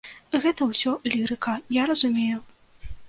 Гэта ўсё лірыка, я разумею.